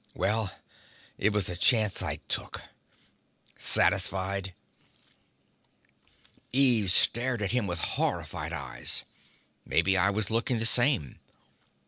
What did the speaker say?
Well, it was a chance I took. Satisfied?" Eve stared at him with horrified eyes. Maybe I was looking the same.